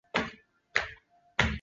匍匐狸藻为狸藻属食虫植物。